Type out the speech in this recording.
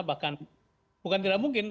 bahkan bukan tidak mungkin